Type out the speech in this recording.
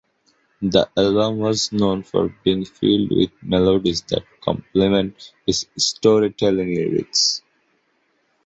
The album was known for being filled with melodies that complement his storytelling lyrics.